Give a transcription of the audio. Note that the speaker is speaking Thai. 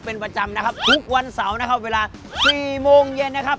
เป็นประจำนะครับทุกวันเสาร์นะครับเวลาสี่โมงเย็นนะครับ